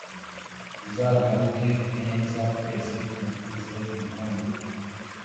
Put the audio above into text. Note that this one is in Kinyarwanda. uzagaruke neza twese tuvuze impundu